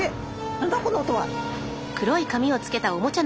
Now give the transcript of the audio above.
何だこの音は？